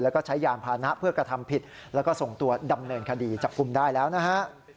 แล้วก็ใช้ยานพานะเพื่อกระทำผิดแล้วก็ส่งตัวดำเนินคดีจับกลุ่มได้แล้วนะฮะ